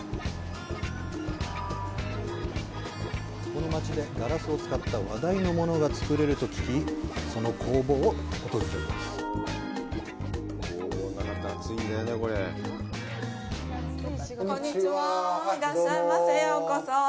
この町でガラスを使った話題のものが作れると聞き、その工房を訪ねます。